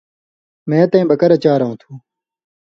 مے تَیں بکرہۡ چارؤں تُھو